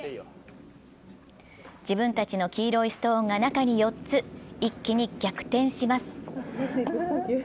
自分たちの黄色いストーンが中に４つ、一気に逆転します。